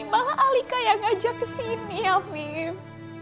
malah alika yang ngajak ke sini afif